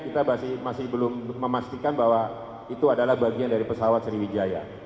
kita masih belum memastikan bahwa itu adalah bagian dari pesawat sriwijaya